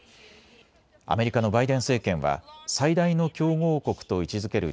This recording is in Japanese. アメリカのバイデン政権は最大の競合国と位置づける